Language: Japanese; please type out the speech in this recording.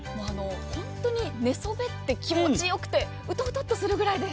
本当に寝そべって気持ちよくてうとうととするくらいです。